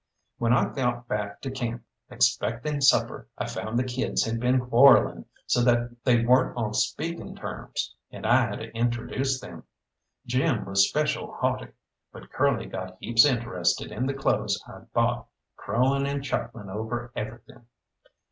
When I got back to camp expecting supper, I found the kids had been quarrelling, so that they weren't on speaking terms, and I had to introduce them. Jim was special haughty, but Curly got heaps interested in the clothes I'd bought, crowing and chuckling over everything.